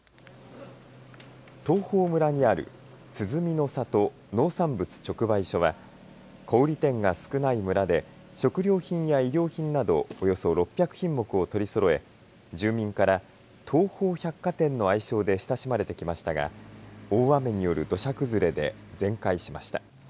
東峰村にあるつづみの里農産物直売所は小売店が少ない村で食料品や衣料品などおよそ６００品目を取りそろえ住民からとうほう百貨店の愛称で親しまれてきましたが大雨による土砂崩れで全壊しました。